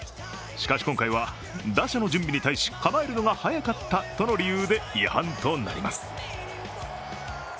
しかし今回は打者の準備に対し構えるのが早かったとの理由で違反となります。